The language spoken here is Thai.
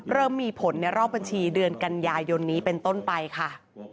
เริ่มมีผลในรอบบัญชีเดือนกันยายนนี้เป็นต้นไปค่ะ